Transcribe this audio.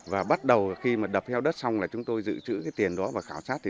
và bắt đầu khi đập heo đất xong chúng tôi giữ trữ tiền đó và khảo sát